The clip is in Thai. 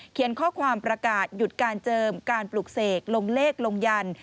ข้อความประกาศหยุดการเจิมการปลูกเสกลงเลขลงยัน